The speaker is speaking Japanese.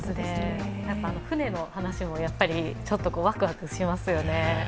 船の話もちょっとワクワクしますよね。